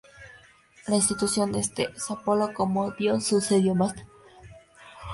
La sustitución de este por Apolo como dios-sol sucedió más tarde que esta leyenda.